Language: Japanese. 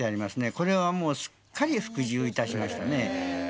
これはすっかり服従いたしましたね。